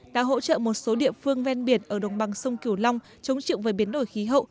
đã hỗ trợ một số địa phương ven biển ở đồng bằng sông kiều long chống chịu với biến đổi khí hậu